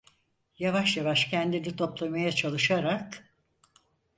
Yavaş yavaş kendini toplamaya çalışarak: